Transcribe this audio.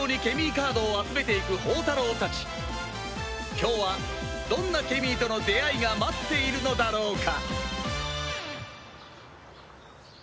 今日はどんなケミーとの出会いが待っているのだろうか？